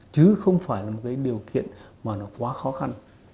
chứ không phải là một cái điều kiện mà nó quá khó khăn